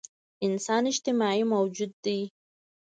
انسان اجتماعي موجود دی.